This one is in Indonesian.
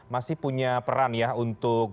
masih punya peran ya untuk